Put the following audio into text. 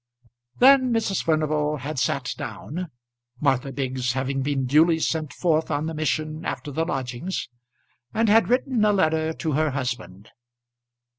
Then Mrs. Furnival had sat down, Martha Biggs having been duly sent forth on the mission after the lodgings, and had written a letter to her husband.